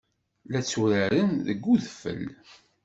La tturaren deg udfel.